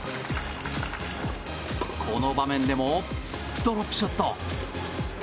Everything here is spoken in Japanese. この場面でもドロップショット！